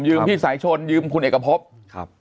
ยืมพี่สายชนยืมคุณเอกพบ